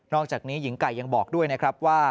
อกจากนี้หญิงไก่ยังบอกด้วยนะครับว่า